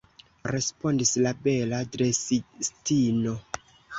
respondis la bela dresistino.